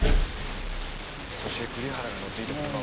そして栗原が乗っていた車は。